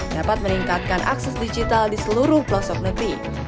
dapat meningkatkan akses digital di seluruh pelosok negeri